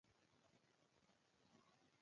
ملکه ماریا تېرازا د اصلاحاتو وړاندیز رد کاوه.